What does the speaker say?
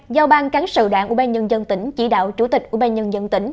hai giao bang cán sự đảng ủy ban nhân dân tỉnh chỉ đạo chủ tịch ủy ban nhân dân tỉnh